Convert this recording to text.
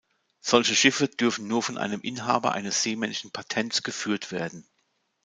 Solche Schiffe dürfen nur von einem Inhaber eines seemännischen Patents geführt werden.